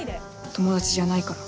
友達じゃないから。